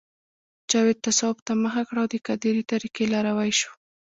جاوید تصوف ته مخه کړه او د قادرې طریقې لاروی شو